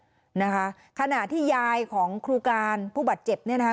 เสพยาบ้าไปสามเม็ดนะคะขณะที่ยายของครูการผู้บัตรเจ็บเนี่ยนะคะ